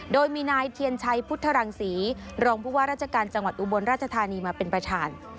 โดยมีนายเทียนชัยพุทธรังศรีรองผู้ว่าราชการจังหวัดอุบลราชธานีมาเป็นประธาน